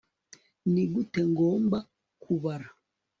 nigute ngomba kubara